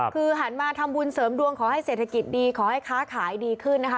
คือหันมาทำบุญเสริมดวงขอให้เศรษฐกิจดีขอให้ค้าขายดีขึ้นนะคะ